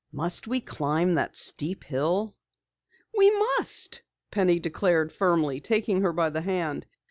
"Must we climb that steep hill?" "We must," Penny declared firmly, taking her by the hand.